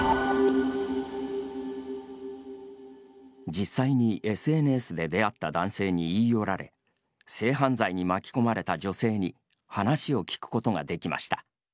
実際にＳＮＳで出会った男性に言い寄られ性犯罪に巻き込まれた女性に話を聞くことができました。